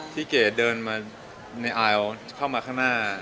เก๋เดินมาในไอลเข้ามาข้างหน้า